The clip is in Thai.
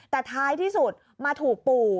แต่ท้ายที่สุดมาถูกปู่